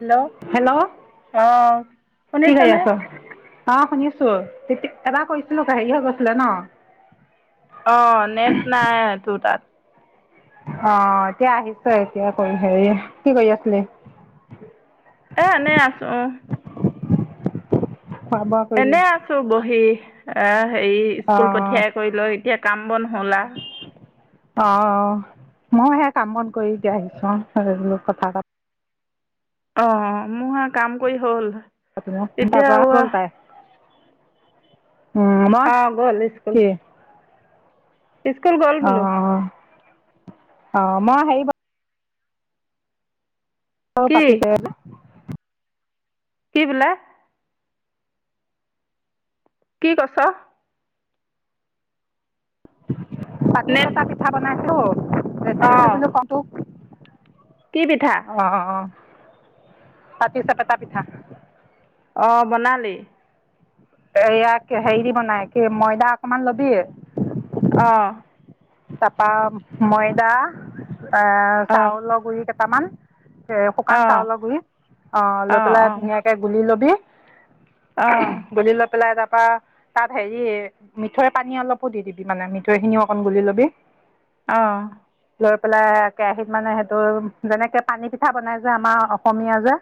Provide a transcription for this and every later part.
Hello অঁ কি কৰি শুনিছনে আছ? অ শুনিছো তেতিয়া এবাৰ কৈছিলো হেৰি হৈ গৈছিলে ন অ নেট নাই তোৰ তাত অ এতিয়া আহিছ এতিয়া কৰি হেৰি কি কৰি আছিলি এ এনেই আছো অ খোৱা বোৱা কৰিলি এনে আছো বহি অঁ হেৰি অ স্কুল পঠিয়াই কৰি ল এতিয়া কাম বন হ'লা অ মই সে কাম বন কৰি দি আহিছো অ কথা প অ মোৰ কাম কৰি হ'ল তুম এতিয়া পাপা বল উম ম অ গ'ল স্কুল কি স্কুল গল অ বোলো অ মই সেৰি কি পতি চে ন কি বোলে কি কছ পাতি নেট চেপা পিঠা বনালো অ অ [unintelligible] কওঁটো কি পিঠা অ' অ'। পাতিচেপেটা পিঠা। অ' বনালি? এয়াক হেৰি দি বনায় কি, ময়দা অকমান ল'বি। অ তাৰপা ময়দা এ অ চাউলৰ গুৰি কেইট তামান এ অ অ শুকান চাউলৰ গুৰি, অ' লৈ পেলাই ধুনীয়াকে গুলি ল'বি। অ গুলি লৈ পেলাই তাত পা, তাত হেৰি মিঠৈৰ পানী অলপো দি দিবি মানে মিঠৈখিনি অকণ গুলি ল'বি। বি অ'। লৈ পেলাই কেৰাহীত মানে সেইটো, যেনেকে পানীপিঠা বনায় যে আমাৰ অসমীয়া যে।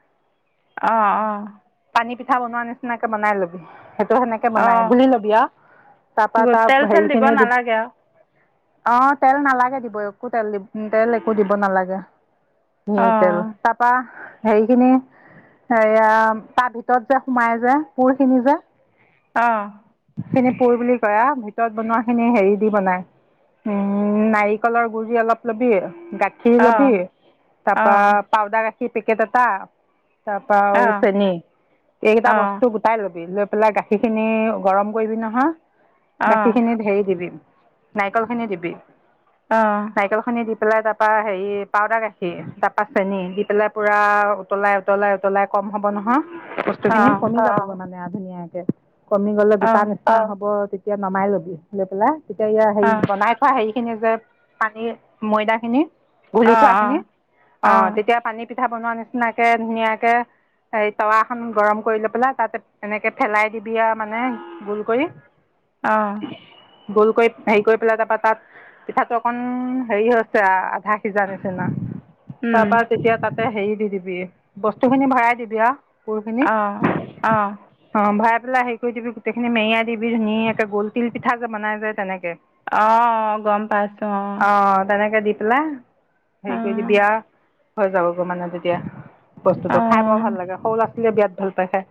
অ' অ'। পানীপিঠা বনোৱা নিচিনাকে বনাই ল'বি। সেইটো হেনেকে বনায়, অঁ গুলি ল'বি আও। তাৰপা তাত তেল চেল দিব হেৰিখিনি দি নালাগে আৰু অ' তেল নালাগে দিব, একো তেল দি তেল একো দিব নালাগে। [unintelligible] তেল, অঁ তাৰপা হেৰিখিনি, সেয়া, তাৰ ভিতৰত যে সোমাই যে পোৰখিনি যে। অ'। সেখিনি পোৰ বুলি কয় আও, ভিতৰত বনোৱাখিনি হেৰি দি বনায়। উম নাৰিকলৰ গুৰি অলপ ল'বি। গাখীৰ অঁ ল'বি। তাৰপা পাউদাৰ গাখীৰ কি পিকেট এটা তাৰ পৰা আৰু অঁ চেনী, অঁ এইকেইটা অঁ বস্তু গোটাই ল'বি। লৈ পেলাই গাখীৰখিনি গৰম কৰিবি নহয়। গাখীৰখিনিত হেৰি দিবি নাৰিকলখিনি দিবি। অঁ অঁ নাৰিকলখিনি দি পেলাই তাপা হেৰি, পাউদাৰ গাখীৰ, তাপা চেনি দি পেলাই পুৰা উতলাই-উতলাই, উতলাই কম হ'ব নহয় অঁ বস্তুখিনি, কমি যাবগৈ মানে ধুনীয়াকে কমি গ'লে অঁ অঁ গোটা নিচিনা হ'ব। তেতিয়া নমাই ল'বি, লৈ পেলাই তেতিয়া হেৰি, অঁ বনাই খোৱা হেৰি। খিনি যে, পানীৰ ময়দা খিনি গুলি থোৱা অঁ খিনি, অ অঁ তেতিয়া পানী পিঠা বনোৱা নিচিনাকে ধুনীয়াকে, হেই তাৱখন গৰম কৰি লৈ পেলাই তাতে এনেকে ফেলাই দিবি আও মানে গোল কৰি। অহ গুলকৈ হেৰি কৰি পেলাই তাৰপৰা তাত পিঠাটো অকন হেৰি হৈছে আ আধা সিজা নিচিনা। তাৰপৰা তেতিয়া তাত হেৰি দি দিবি, বস্তু খিনি ভৰাই দিবি আ। কাপোৰখিনি, অঁ অঁ অঁ ভাই ঘিলা হেৰি কৰি দিবি গোটেইখিনি মেৰিয়াই দিবি ধুনীয়াকে গুল তিল পিঠা বনাই যে তেনেকে অঁ গম পাইছো আও পেলে হেৰি কৰি দিবি আও হৈ যাবগৈ মানে তেতিয়া। বস্তুটো, খাই বৰ অঁ ভাল লাগে সৌলা বিৰাট ভাল পাই খাই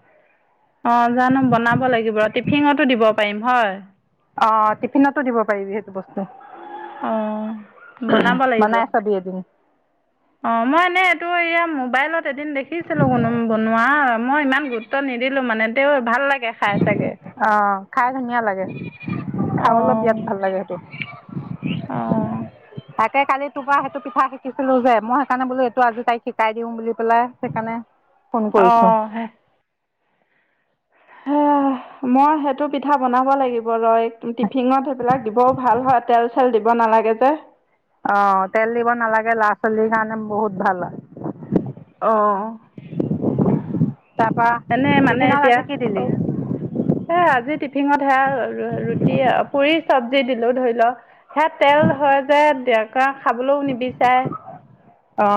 অঁ জানো বনাব লাগিব টিফিনতো দিব পাৰিম হয় অঁ, টিফিনতো দিব পাৰিবি সেইটো বস্তু। অ বনাব লাগিব। বনাই চাবি এদিন অ মই এনেই এইটো এয়া মো মোবাইলত এদিন দেখিছিলো কোনো বনোৱা, মই ইমান গুৰুত্ব নিদিলো মানে তেওঁ অঁ খাই ধুনীয়া লাগে, খাবলৈ অঁ বিৰাট ভাল লাগে সেইটো। অঁ তাকে কালি তোমাৰ পৰা সেইটো পিঠা শিকিছিলো যে, মই সেইকাৰণে বোলো এইটো আজি তাইক শিকাই দিও বুলি পেলাই সেইকাৰণে ফোন কৰিছোঁ অহ হে হেয়া মই সেইটো পিঠা বনাব লাগিব লয় টিফিনত সেইবিলাক দিবও ভাল হয়, তেল তেল দিব নালাগে যে অ তেল দিব নালাগে, ল'ৰা-ছোৱালীৰ কাৰণে বহুত ভাল হয়। অহ [inaudible] তাৰপৰা, টিফিনত এতিয়া আজি কি দিলি? অঁ এই আজি টিফিনত সেয়া ৰ-ৰ-ৰুটি অ পুৰি চব্জি দিলো ধৰি ল সেয়া তেল হৈ যায় দিয়ক কাৰ খাবলৈও নিবিচাৰে, অ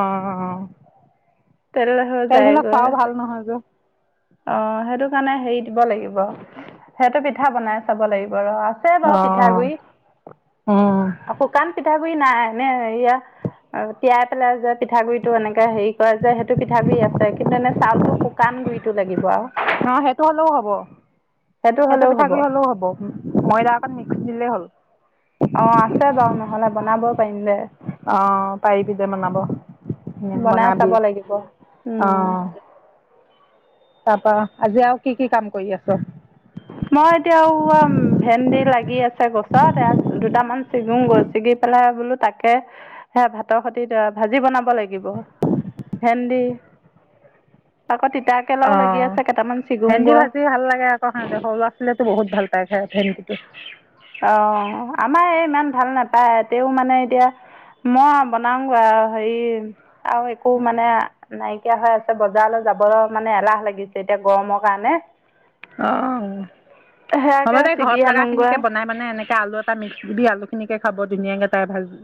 তেল হৈ তেল বিলাক পাও ভাল যায়গৈ নহয় যে । অ সেইটো কাৰণে হেৰি দিব লাগিব সিইটো পিঠা বনাই চাব লাগিব। বাৰ আছে বাৰু অঁ পিঠাগুৰি অঁ শুকান পিঠাগু। গুৰি নাই এনে এইয়া তিয়াই পেলাই যে পিঠাগুৰি টো এনেকে হেৰি কৰে। যে সেইটো পিঠাগুৰি আছে কিন্তু এনে চাউলটো শুকান গুৰিটো লাগিব আৰু, অ সেইটো হ'লেও হ'ব সেইটো পিঠাগুৰি হ'লেও হ'ব ময়দা অকণ মিক্স দিলেই হ'ল। অ আছে বাৰু নহলে বনাব। পাৰিম দে আহ পাৰিবি দে বনাব বনাই চাব বনাবি লাগিব উম। তাপা আজি আৰু কি কি কাম কৰি আছ? মই এতিয়া ভেন্দি লাগি আছে গছত দুটামান চিঙুংগৈ ছিগি পেলাই বোলো তাকে স ভাতৰ সতে ভাজি বনাব লাগিব ভেন্দি আকৌ' অ তিতাকেৰেলাও লাগি আছে কেইটামান ভেন্দি ছিগুংগৈ ভাজি ভাল লাগে আকৌ। দে সৰু লৰা ছোৱালীৱে টো বহুত ভাল পায় খাই ভেন্দিটো। অ আমাৰ এই ইমান ভাল নাপায় তেওঁ মানে এতিয়া মই বনাও হেৰি ' আৰু একো মানে' নাইকিয়া হৈ আছে বজাৰলৈ যাব মানে এলাহ লাগিছে এতিয়া গৰমৰ কাৰণে অ হ'ব সেয়াকে দে ছিগি ঘৰত লগা আনোগৈ খিনিকে বনাই বনাই এনেকে' এ আলু এটা মিক্স দি আলু খিনিকে খাব ধুনীয়াকে এ তাই ভাজি।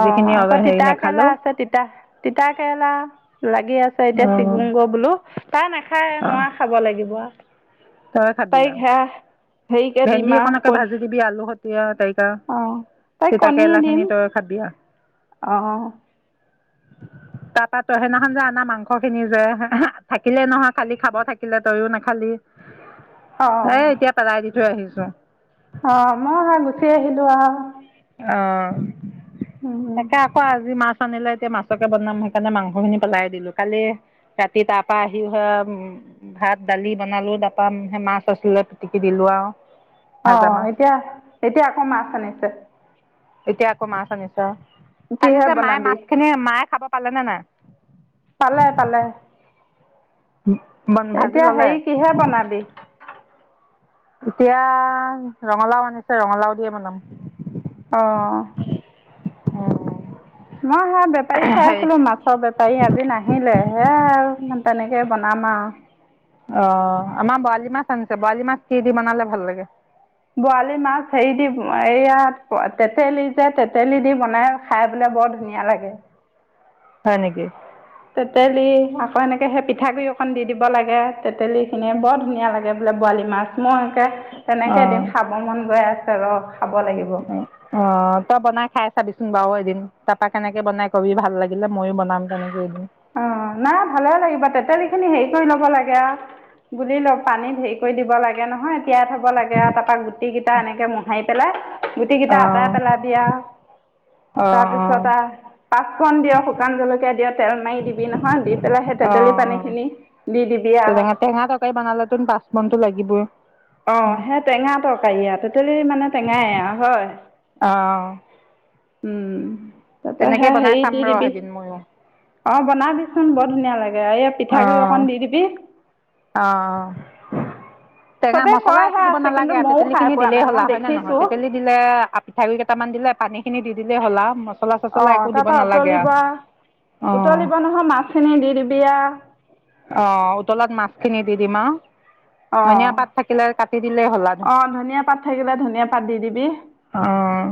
অ আকৌ হেৰি তিতা কেৰেলা নাখালেও আছে তিতা তিতা কেৰেলা লাগি আছে এতিয়া অঁ চিগুং গৈ বোলো তাই নাখায় অঁ মই খাব লাগিব আৰু' তই খাবি আৰু হেৰিকে ভেন্দি এখনকে ভাজি দিবি আলুহত। এতিয়া ত। আহ তাই কণী দিম তই আহ। তাৰপা তই সেইদিনাখন যে আনা মাংস খিনি যে থাকিলে নহয় খালি খাব থাকিলে তইও নাখালি ' অ এ এতিয়া পেলাই দি থৈ আহিছো। চ। অ মই হে গুচি আহিলো আও। অঁ। তাকে আকৌ আজি মাছ, নিলে এতিয়া মাছকে বনাম সেইকাৰণে মাংস খিনি পেলাই দিলো কালি ৰাতি তাৰ পৰা আহি হে ভাত দালি বনালো তাৰপা মাছ আছিলে পিটিকি দিলো আৰু অ ভাজা মাছ এতিয়া এতিয়া আকৌ মাছ আনিছে। এতিয়া আকৌ মাছ আনিছে। কালি কিহে যে মায়ে বনাবি মাছখিনি মায়ে খাব পালেনে নাই? পালে পালে ভাজি এতিয়া ল'লে হেৰি কিহে বনাবি? এতিয়া, ৰঙালাও আনিছে ৰঙালাও দিয়ে বনাম। অ'। উম মই হে বেপাৰীক চাই আছিলো, মাছৰ বেপাৰী আজি নাহিলে সেয়াই আৰু। তেনেকেই বনাম আৰু। অ' আমাৰ বৰালি মাছ আনিছে, বৰালি মাছ কি দি বনালে ভাল লাগে? বৰালি মাছ হেৰি দি, এইয়াত তেঁতেলী যে তেঁতেলী দি বনাই খাই বোলে বৰ ধুনীয়া লাগে। হয় নেকি? তেঁতেলী, আকৌ এনেকে সেই পিঠাগুৰি অকন দি দিব লাগে, তেঁতেলীখিনি বৰ ধুনীয়া লাগে বোলে বৰালি মাছ, মই। কে, তেনেকে অঁ এদিন খাব মন গৈ আছে। [unintelligible] অ' তই বনাই খাই চাবিচো বাৰু এদিনজ তাৰপা কেনেকে বনাই ক'বি ভাল লাগিলে ময়ো বনাম তেনেকে। এদিন। অ' নাই, ভালে লাগিব তেঁতেলী খিনি হেৰি কৰি ল'ব লাগে আও, গুলি ল পানীত হেৰি কৰি দিব লাগে নহয় তিয়াই থ'ব লাগে আও, তাৰপা গু টিকিটা এনেকে মুহাই পেলাই গুটিকেইটা আঁতৰাই অ' পেলাবি আও। অ' অ' তাৰপিছত আহ, পাঁচপূৰণ দিয়, শুকান জলকীয়া দিয় তেল মাৰি দিবি নহয়, দি পেলাই সেই তেতেলী অ'। পানীখিনি দি দিবি আৰু তেনেকে টেঙা-তৰকাৰী বনালেতোন পাঁচপূৰণ লাগিবই। অ' সেই টেঙা-তৰকাৰী আৰু তেঁতেলী মানে টেঙাই আৰু হয়। অ' উম। তাৰপৰা তেনেকে বনাই চাম ৰ এদিন ময়ো। অ' বনাবিচোন বৰ ধুনীয়া লাগে। এই পিঠাগুৰি অ' অকণ দি দিবি। অ'। চবেই টেঙা-মচলা একো কয়হে দিব আছে নালাগে কিন্তু আৰু ময়ো খাই তেঁতেলীখিনি পোৱা দিলেই নাই হ'ল মই আও হয় নে নহয়? দেখিছোঁ তেঁতেলী দিলে আপ পিঠাগুৰি কেটামান দিলে, পানীখিনি দি দিলে হ'ল আও। মচ অ' তাৰপা উতলিব আও, অ' উতলিব নহয় মাছখিনি দি দিবি আও। অ' উতলাত মাছখিনি দি দিম আৰু। অঁ ধনিয়া পাত থাকিলে কাটি দিলে হ'ল আও। অঁ ধনিয়া পাত থাকিলে ধনিয়া পাত দি দিবি অ'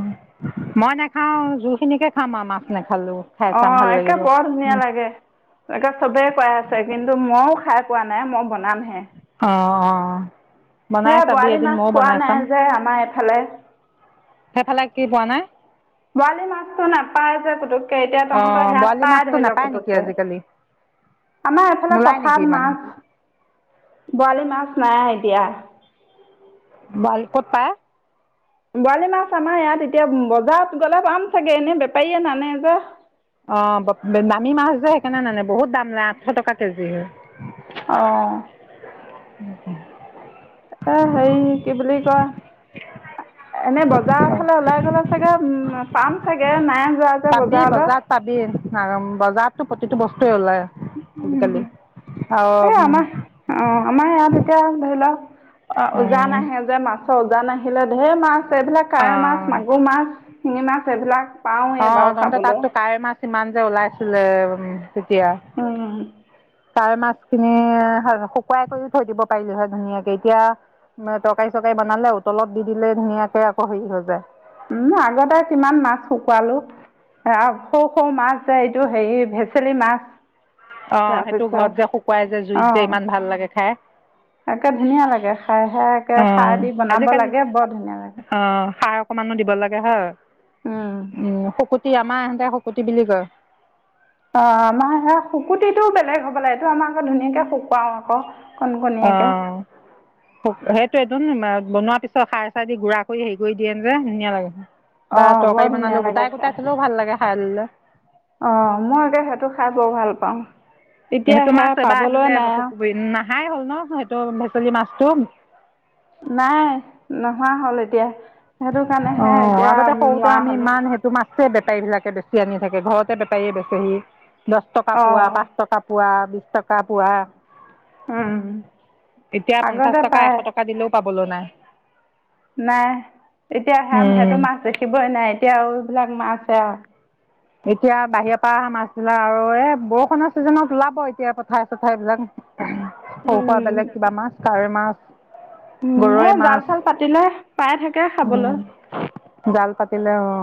মই নাখাও জু খিনিকে খাম আৰু মাছ নে অ একে বৰ ধুনীয়া লাগে তাকে চবে কই আছে । কিন্তু মও খাই পোৱা নাই মই বনামহে । অঁ অঁ সে বনাই চাবি বৰালি এদিন মাছ ময়ো পোৱা বনাই চাম নাই যে আমাৰ এইফালে । সেইফালে কি বনাই? বৰালি মাছ‌টো নাপাই যে পুতুককে এতিয়া তহঁতৰ অঁ সেয়াত বৰালি পাই মাছটো ধৰি লওক নাপায় নেকি পুতুককে আজিকালি আমাৰ এফালে নোলায় নেকি পথাৰত ইমান মাছ‌ ' বৰালি মাছ নাই এতিয়া বাল ক'ত পায়? বৰালি মাছ আমাৰ ইয়াত এতিয়া বজাৰত গ'লে পাম চাগে এনে বেপাৰীয়ে নানে যে‌? অ দামী মাছ যে সেইকাৰনে নানে বহুত দাম লয় আঠশ টকা কেজি‌ । অ উম এ সেই কি বুলি কয়‌, এনে বজাৰৰ ফালে ওলাই গলে চাগে উ পাম চাগে নাই যোৱা যে পাবি বজাৰলৈ । বজাৰত ওলাই উ এই আমাৰ অ আমাৰ ইয়াত এতিয়া ধৰি লওক উজান আহে যে মাছ, চ উজান আহিলে ধেই মাছ - এইবিলাক কাৱৈ মাছ অঁ মাগুৰ মাছ শিঙিমাছ এইবিলাক অ পাওঁৱেই বাৰু তহন্ত খাবলৈ তাতো কাৱৈ মাছ ইমান যে ওলাইছিলে উম তেতিয়া উম কাৱৈ মাছ, খিনি শুকুৱাই কৰিও থৈ দিব পাৰিলো হয় ধুনীয়াকে এতিয়া তৰকাৰী চৰকাৰী বনালে উতলত দি দিলে ধুনীয়াকে আকৌ হেৰি হৈ যায় । উম আগতে কিমান মাছ শুকুৱালো সৰু সৰু মাছ যে এইটো হেৰি ভেচেলি মাছ । অ সেইটো ঘৰত যে শুকুৱাই যে জুইত যে ইমান ভাল লাগে খাই তাকে ধুনীয়া লাগে খাই সে একে অ খাৰ দি বনাব আজিকালি লাগে বৰ ধুনীয়া লাগে অ সাৰ অকমানো দিব লাগে হয় উম । আমাৰ এহেতে শুকতি বুলি কয় । অ আমাৰ সেয়াত শুকুতিটো বেলেগ হব লাগে এইটো আমাৰ আকৌ ধুনীয়াকে শুকুৱাও আকৌ কণ অ কণীয়াকে সেইটোৱে বনোৱাৰ পিছত খাৰ চাৰ দি গুৰা কৰি হেৰি কৰি দিয়ে যে ধুনীয়া লাগে । বা অ', বৰ তৰকাৰী ধুনীয়া বনালেও লাগে গোটাই খাই। গোটাই থলেও ভাল লাগে খালে অ মই একে সেইটো খাই বৰ ভাল পাওঁ । সেইটো মাছ এবাৰ আহিলে হুকুৱাবী খাই হ'ল ন সেইটো ভেচেলি মাছটো? নাই নোহোৱা হ'ল এতিয়া সেইটো কাৰণেহে অ' এতিয়া আগতে সৰুতে নোৱাৰা আমি হ'লো। ইমান সেইটো মাছ বেপাৰীবিলাকে বেছি আনি থাকে ঘৰতে বেপাৰীয়ে বেচেহি। দশটকা পোৱা, অ', পাঁচটকা পোৱা। বিশটকা পোৱা। উম, এতিয়া আগতে পঞ্চাশ টকা- পায়, এশ টকা দিলেও পাব বলৈ নাই। নাই। এতিয়া সেয়া- উম সেইটো মাছ দেখিবই নাই। এতিয়া আও এইবিলাক মাছহে আও এতিয়া বাহিৰৰ পৰা অহা মাছবিলাক আৰু এ বৰষুণৰ ছিজনত ওলাব এতিয়া পথাৰে-চথাৰবিলাক সৰু-সুৰা উম, বেলেগ কিবা মাছ, কাৱৈ মাছ উম এ গৰৈ মাছ জাল-চাল পাতিলে। পাই থাকে, খাবলৈ। উম জাল পাতিলে অ'।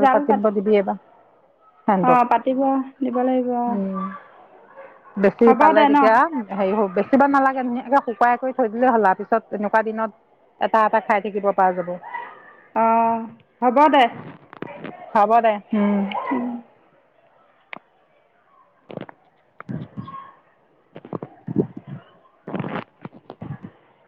জাল পাতি, সিহঁতক অ' পাতিব দিব লাগিব অ'। উম বেছি হ'ব পালে দে ন? তেতিয়া হেৰি হ বেছি কিবা নালাগে ধুনীয়াকে শুকুৱাই কৰি থৈ দিলে হ'ল আও। পিছত এনেকুৱা দিনত এটা-এটা খাই থাকিব পৰা যাব। অ', হ'ব দে। হ'ব দে, হুম। উম।